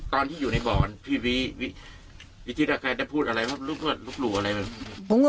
ตอนที่อยู่ในบ่อนพี่วิทิศอาคารได้พูดอะไรครับลูกพ่อลูกหลู่อะไร